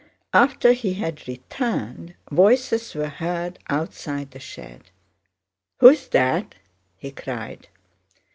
After he had returned, voices were heard outside the shed. "Who's that?" he cried.